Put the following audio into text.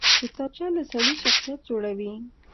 کتابچه له سړي شخصیت جوړوي